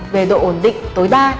về độ ổn định tối đa